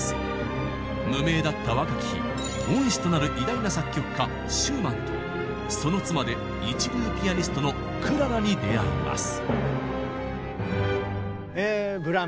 無名だった若き日恩師となる偉大な作曲家シューマンとその妻で一流ピアニストのクララに出会います。